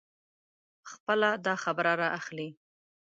خپله داخبره را اخلي.